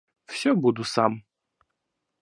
Всё буду сам.